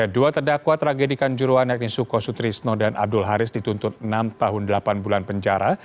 dua terdakwa tragedi kanjuruan yakni suko sutrisno dan abdul haris dituntut enam tahun delapan bulan penjara